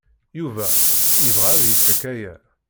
Yuba yebɣa ad ifak aya.